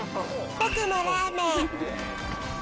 僕もラーメン。